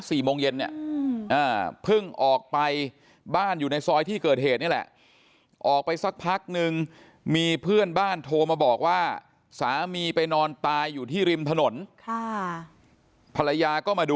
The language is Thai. สี่โมงเย็นเนี้ยอ่าเพิ่งออกไปบ้านอยู่ในซอยที่เกิดเหตุนี่แหละ